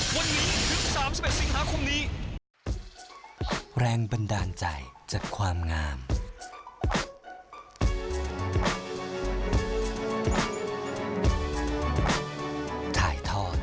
วันนี้ถึง๓๘สิงหาคมนี้